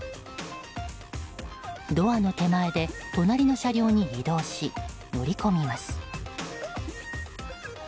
ドアの手前で隣の車両に移動し乗り込みます。